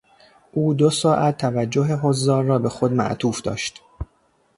او دو ساعت توجه حضار را به خود معطوف داشت.